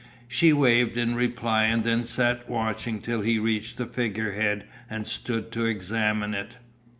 She waved in reply and then sat watching till he reached the figure head and stood to examine it.